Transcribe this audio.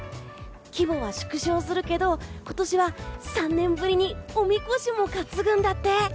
規模は縮小するけど今年は３年ぶりにおみこしも担ぐんだって。